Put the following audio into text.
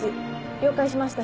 了解しました。